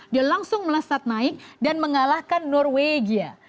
dia langsung melesat naik dan mengalahkan norwegia